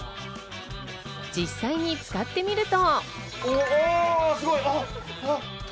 実際に使ってみると。